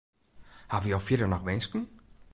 Hawwe jo fierder noch winsken?